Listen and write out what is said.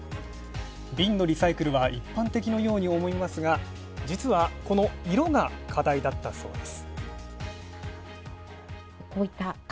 瓶のリサイクルは一般的のように思いますが、実はこの色が課題だったそうです。